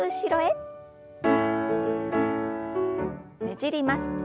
ねじります。